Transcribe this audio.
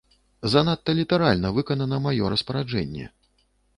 Занадта літаральна выканана маё распараджэнне.